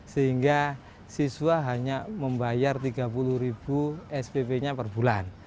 sehingga siswa hanya membayar tiga puluh ribu spp nya per bulan